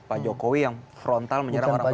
pak jokowi yang frontal menyerang orang tua